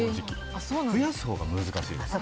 増やすほうが難しいです。